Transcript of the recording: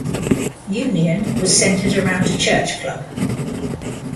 Union was centred around a church club.